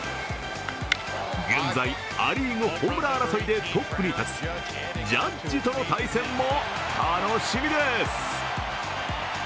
現在、ア・リーグホームラン争いでトップに立つジャッジとの対戦も楽しみです。